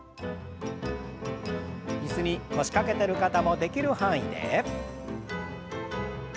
椅子に腰掛けてる方もできる範囲で。